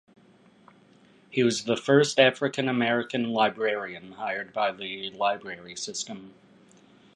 He was the first African American librarian hired by the library system.